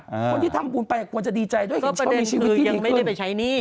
คนที่ทำบุญไปกว่าจะดีใจด้วยเพราะมีชีวิตที่ดีขึ้นก็ประเด็นคือยังไม่ได้ไปใช้หนี้